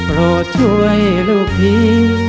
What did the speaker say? โปรดช่วยลูกพี่